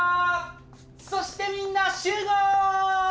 そしてみんな集合！